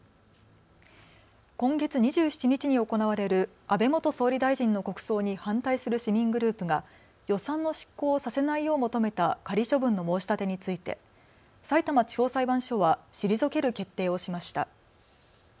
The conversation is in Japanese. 今月２７日に行われる安倍元総理大臣の国葬に反対する市民グループが、予算の執行をさせないよう求めた仮処分の申し立てについてさいたま地方裁判所は退ける決定をしました。